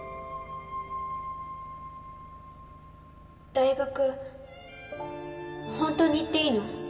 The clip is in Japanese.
大学ホントに行っていいの？